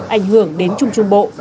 ảnh hưởng đến trung trung bộ